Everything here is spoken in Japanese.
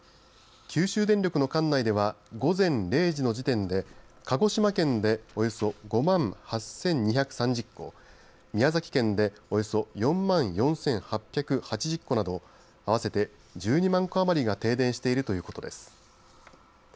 九州電力の管内では午前０時の時点で鹿児島県で、およそ５万８２３０戸宮崎県でおよそ４万４８８０戸など合わせて１２万戸余りが停電しているということです。